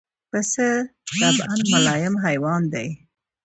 پسه د طبعاً ملایم حیوان دی.